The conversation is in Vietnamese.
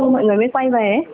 mọi người mới quay về